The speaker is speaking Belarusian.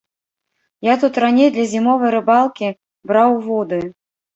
Я тут раней для зімовай рыбалкі браў вуды.